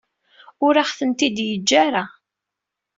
Ur aɣ-tent-id-yeǧǧa ara.